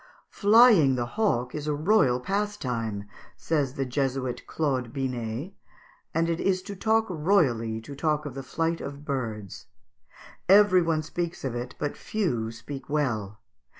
"Flying the hawk is a royal pastime," says the Jesuit Claude Binet, "and it is to talk royally to talk of the flight of birds. Every one speaks of it, but few speak well.